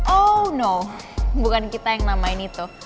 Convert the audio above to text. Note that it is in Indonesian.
oh no bukan kita yang namain itu